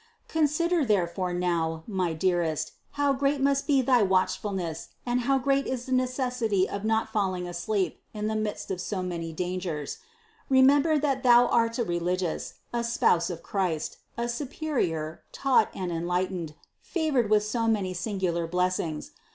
479. Consider therefore now, my dearest, how great must be thy watchfulness, and how great is the necessity of not falling asleep in the midst of so many dangers. Re 370 CITY OF GOD member that thou art a religious, a spouse of Christ, a superior, taught and enlightened, favored with so many singular blessings.